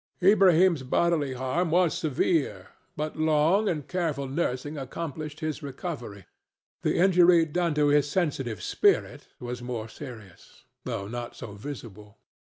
Ilbrahim's bodily harm was severe, but long and careful nursing accomplished his recovery; the injury done to his sensitive spirit was more serious, though not so visible.